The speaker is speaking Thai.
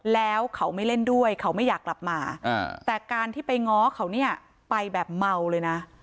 แล้วเขาไม่เล่นด้วยเขาไม่อยากกลับมาแต่การที่ไปง้อเขาเนี่ยไปแบบเมาเลยนะ